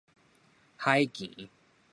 海墘